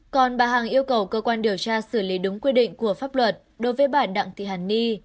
còn bà hằng yêu cầu cơ quan điều tra xử lý đúng quy định của pháp luật đối với bà đặng thị hàn ni